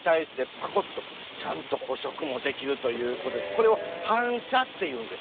これを「反射」っていうんですって。